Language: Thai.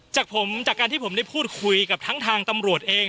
จากผมจากการที่ผมได้พูดคุยกับทั้งทางตำรวจเอง